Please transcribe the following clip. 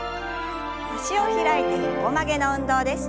脚を開いて横曲げの運動です。